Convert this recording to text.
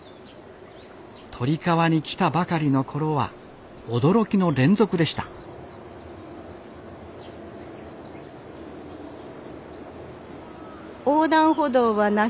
鳥川に来たばかりの頃は驚きの連続でした横断歩道はなし。